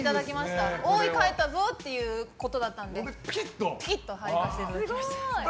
おーい、帰ったぞ！ってことだったのでピキッといかせていただきました。